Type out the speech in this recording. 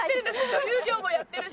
女優業もやってるし。